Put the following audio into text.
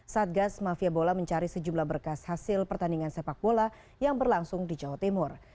satgas mafia bola mencari sejumlah berkas hasil pertandingan sepak bola yang berlangsung di jawa timur